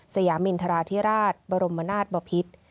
สยามินทราธิราชบรมนาศบพิษ